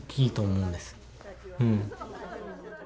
うん。